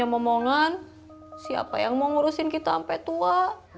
apa yang mau ngurusin kita sampai tua